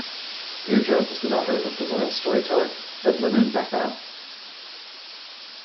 Deirdre was the daughter of the royal storyteller Fedlimid mac Daill.